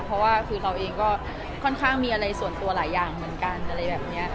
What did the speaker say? เพราะว่าคือเราเองก็ค่อนข้างมีอะไรส่วนตัวหลายอย่างเหมือนกันอะไรแบบนี้